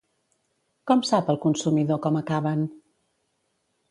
Com sap el consumidor com acaben?